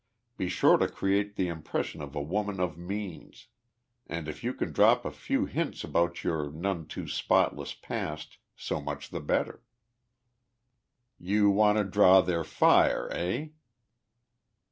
Be sure to create the impression of a woman of means and if you can drop a few hints about your none too spotless past, so much the better." "You want to draw their fire, eh?"